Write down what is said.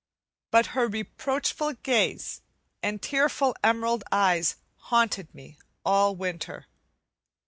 But her reproachful gaze and tearful emerald eyes haunted me all winter.